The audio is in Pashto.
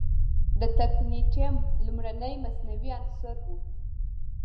د تکنیټیم لومړنی مصنوعي عنصر و.